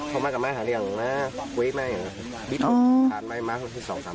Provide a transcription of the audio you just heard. พอมากับแม่หาหลี่ห่างมา้เตี๊ยบไหม